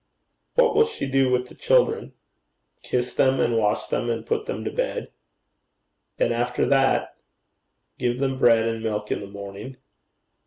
'What will she do with those children?' 'Kiss them and wash them and put them to bed.' 'And after that?' 'Give them bread and milk in the morning.'